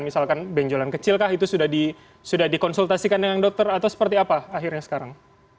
misalkan benjolan kecil kah itu sudah dikonsultasikan dengan dokter atau seperti apa akhirnya sekarang